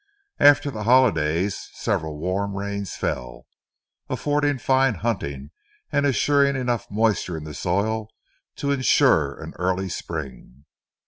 After the holidays several warm rains fell, affording fine hunting and assuring enough moisture in the soil to insure an early spring.